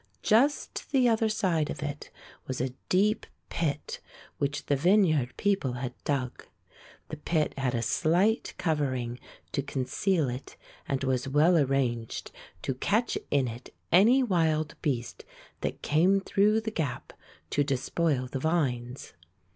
just the other side of it was a deep pit which the vineyard people had dug. The pit had a slight covering to conceal it and was well arranged to catch in it any wild beast that came through the gap to despoil the vines.